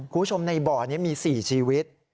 คุณผู้ชมในบ่อนี้มี๔ชีวิต